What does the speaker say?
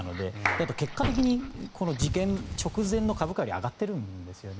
あとは結果的に事件直前の株価より上がってるんですね。